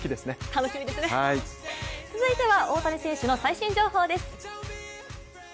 楽しみですね、続いては大谷選手の最新情報です。